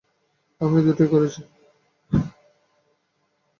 আমি দুটোই করেছি।